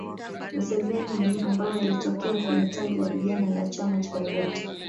Museveni mwenyewe ambaye alitokea kwenye tawi la vijana la chama cha Obote